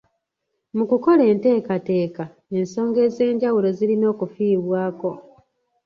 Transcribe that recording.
Mu kukola enteekateeka, ensonga ez'enjawulo zirina okufiibwako.